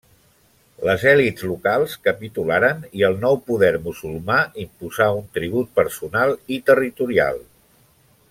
Les elits locals capitularen i el nou poder musulmà imposà un tribut personal i territorial.